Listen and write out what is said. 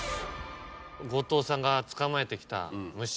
後藤さんが捕まえてきた虫。